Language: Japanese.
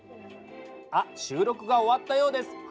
あ収録が終わったようです。